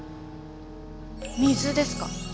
水ですか？